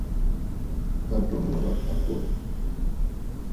Àtu mu wa a kwô.